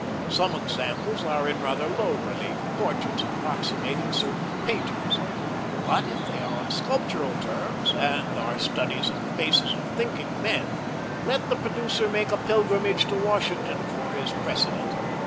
Some examples are in rather low relief, portraits approximating certain painters. But if they are on sculptural terms, and are studies of the faces of thinking men, let the producer make a pilgrimage to Washington for his precedent.